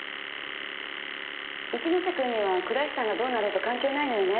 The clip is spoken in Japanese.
一ノ瀬くんには倉石さんがどうなろうと関係ないのよね。